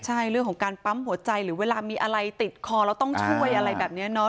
ใช่เรื่องของการปั๊มหัวใจหรือเวลามีอะไรติดคอแล้วต้องช่วยอะไรแบบนี้เนาะ